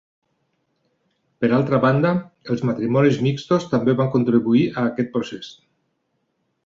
Per altra banda, els matrimonis mixtos també van contribuir a aquest procés.